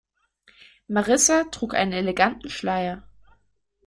Marissa trug einen eleganten Schleier.